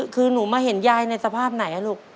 คือหนูมาเห็นยายในสภาพไหนลูก